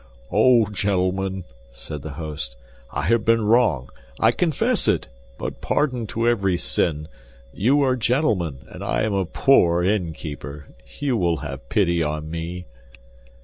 "Oh, gentlemen," said the host, "I have been wrong. I confess it, but pardon to every sin! You are gentlemen, and I am a poor innkeeper. You will have pity on me."